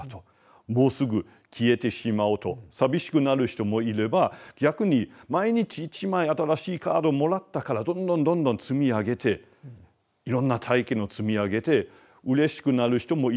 もうすぐ消えてしまうと寂しくなる人もいれば逆に毎日１枚新しいカードをもらったからどんどんどんどん積み上げていろんな体験を積み上げてうれしくなる人もいるかもしれない。